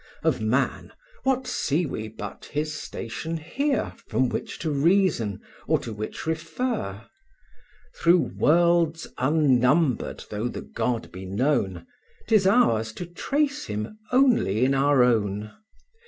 Of man, what see we but his station here, From which to reason, or to which refer? Through worlds unnumbered though the God be known, 'Tis ours to trace Him only in our own.